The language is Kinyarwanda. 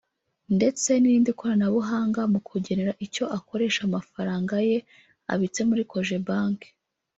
ndetse n’irindi koranabuhanga mu kugenera icyo akoresha amafaranga ye abitse muri Cogebanque